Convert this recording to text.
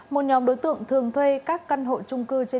một nhóm đối tượng thường thuê các căn hộ trung cư trên địa phương